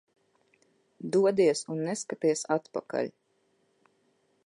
Dodies un neskaties atpakaļ.